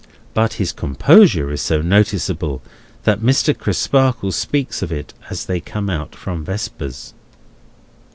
But his composure is so noticeable, that Mr. Crisparkle speaks of it as they come out from Vespers.